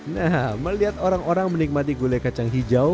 nah melihat orang orang menikmati gulai kacang hijau